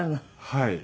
はい。